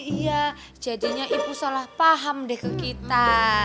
iya jadinya ibu salah paham deh ke kita